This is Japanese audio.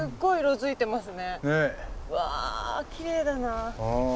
うわきれいだな。